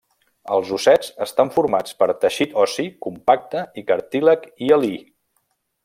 Els ossets estan formats per teixit ossi compacte i cartílag hialí.